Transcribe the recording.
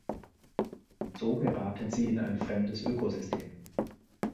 So geraten sie in ein fremdes Ökosystem.